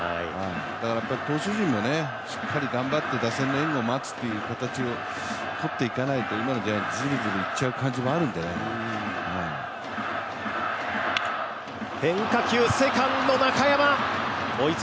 だからやっぱり投手陣もしっかり頑張って打線の援護をするという形をとっていかないと今のジャイアンツ、ずるずるいっちゃう感じもするゲームはこれから２回です